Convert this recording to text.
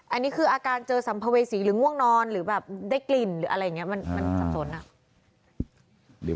อันนี้คืออาการเจอสัมภเวษีหรือง่วงนอนหรือแบบได้กลิ่นหรืออะไรอย่างนี้มันสับสนอะ